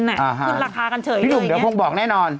ขึ้นราคากันเฉยเรื่อยอย่างนี้อ่าฮะพี่หนุ่มเดี๋ยวผมบอกแน่นอน